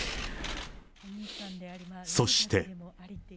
そして。